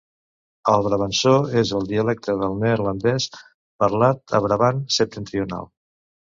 El brabançó és el dialecte del neerlandès parlat a Brabant Septentrional.